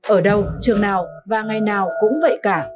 ở đâu trường nào và ngày nào cũng vậy cả